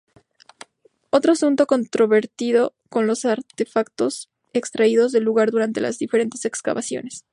Otro asunto controvertido son los artefactos extraídos del lugar durante las diferentes excavaciones.